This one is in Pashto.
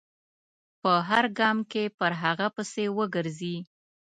په هر ګام کې پر هغه پسې و ګرځي.